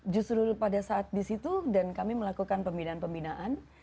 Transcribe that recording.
justru pada saat di situ dan kami melakukan pembinaan pembinaan